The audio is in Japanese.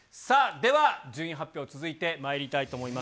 では、順位発表、続いてまいりたいと思います。